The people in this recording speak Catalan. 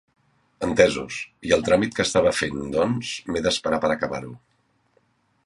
Entesos, i el tràmit que estava fent doncs m'he d'esperar per acabar-ho.